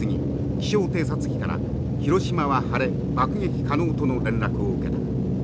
気象偵察機から広島は晴れ爆撃可能との連絡を受けた。